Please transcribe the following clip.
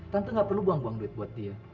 tante gak perlu buang buang duit buat dia